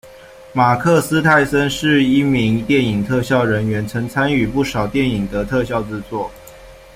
马克·斯泰森是一名电影特效人员，曾参与不少电影的特效制作。